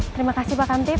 terima kasih pak kamtip